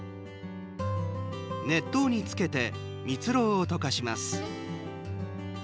熱湯につけてみつろうを溶かします。